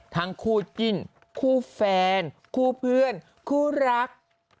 ทั้งคู่จิ้นคู่แฟนคู่เพื่อนคู่รัก